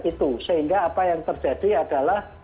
itu sehingga apa yang terjadi adalah